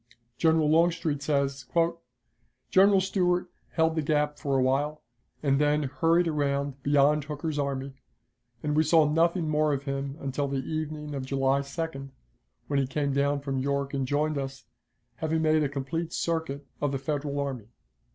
General Longstreet says: "General Stuart held the gap for a while, and then hurried around beyond Hooker's army, and we saw nothing more of him until the evening of July 2d, when he came down from York and joined us, having made a complete circuit of the Federal army."